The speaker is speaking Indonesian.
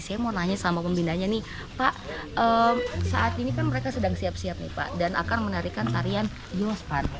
saya mau nanya sama pembinanya nih pak saat ini kan mereka sedang siap siap nih pak dan akan menarikan tarian geospan